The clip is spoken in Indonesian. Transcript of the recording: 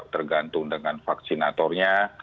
tergantung dengan vaksinatornya